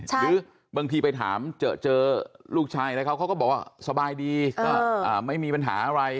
หรือบางทีไปถามเจอลูกชายอะไรเขาเขาก็บอกว่าสบายดีก็ไม่มีปัญหาอะไร